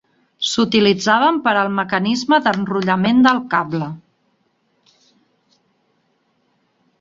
S'utilitzaven per al mecanisme d'enrotllament del cable.